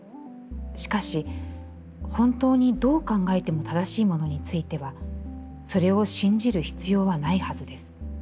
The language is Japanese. しかし、本当にどう考えても正しいものについては、それを信じる必要はないはずです。